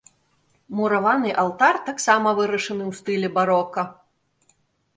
Мураваны алтар таксама вырашаны ў стылі барока.